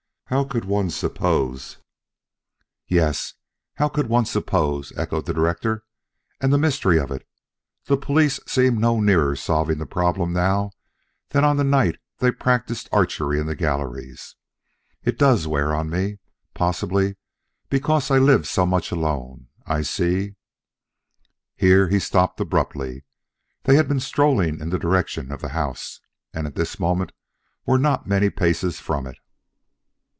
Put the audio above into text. How could one suppose " "Yes, how could one suppose!" echoed the director. "And the mystery of it! The police seem no nearer solving the problem now than on the night they practised archery in the galleries. It does wear on me, possibly because I live so much alone. I see " Here he stopped abruptly. They had been strolling in the direction of the house, and at this moment were not many paces from it.